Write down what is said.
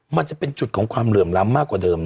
มันจะเป็นจุดของความเหลื่อมล้ำมากกว่าเดิมนะ